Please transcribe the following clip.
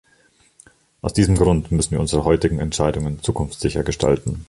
Aus diesem Grund müssen wir unsere heutigen Entscheidungen zukunftssicher gestalten.